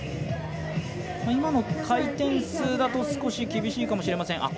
今の回転数だと少し厳しいかもしれません。